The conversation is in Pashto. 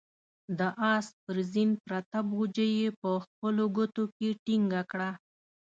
د آس پر زين پرته بوجۍ يې په خپلو ګوتو کې ټينګه کړه.